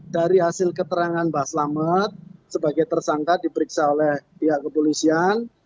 dari hasil keterangan mbah selamet sebagai tersangka diperiksa oleh pihak kepolisian